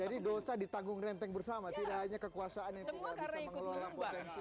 jadi dosa ditanggung renteng bersama tidak hanya kekuasaan yang bisa mengelola potensi